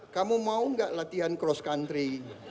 kamu mau gak latihan cross country